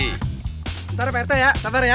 sebentar pak rt ya sabar ya